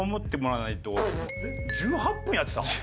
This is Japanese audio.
１８分やってたの？